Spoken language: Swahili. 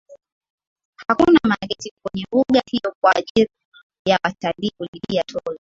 hakuna mageti kwenye mbuga hiyo kwa ajri ya watalii kulipia tozo